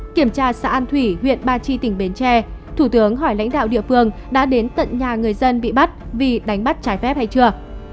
kiểm tra xã an thủy huyện ba chi tỉnh bến tre thủ tướng hỏi lãnh đạo địa phương đã đến tận nhà người dân bị bắt vì đánh bắt trái phép hay chưa